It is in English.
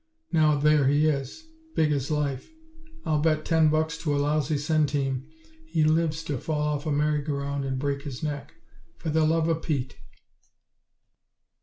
Now there he is, big as life. I'll bet ten bucks to a lousy centime he lives to fall off a merry go round and break his neck. For the luva Pete!"